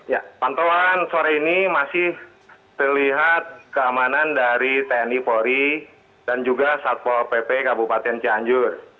ya pantauan sore ini masih terlihat keamanan dari tni polri dan juga satpol pp kabupaten cianjur